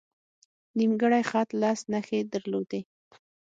نیمګړی خط لس نښې درلودې.